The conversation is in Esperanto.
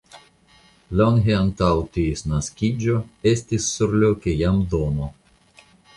Longe antaŭ ties naskiĝo estis surloke jam domo.